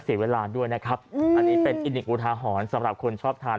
เสียเวลาด้วยนะครับอันนี้เป็นอีกหนึ่งอุทาหรณ์สำหรับคนชอบทาน